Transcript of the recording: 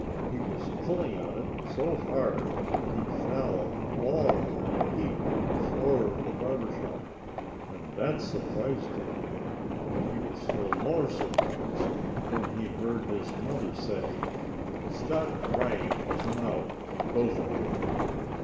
He was pulling on it so hard that he fell all in a heap on the floor of the barber shop. And that surprised him. But he was still more surprised when he heard his mother say "Stop crying and come out both of you!"